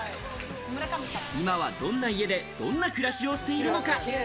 今はどんな家でどんな暮らしをしているのか？